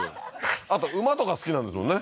あと馬とか好きなんですもんね